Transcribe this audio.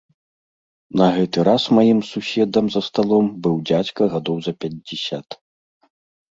На гэты раз маім суседам за сталом быў дзядзька гадоў за пяцьдзясят.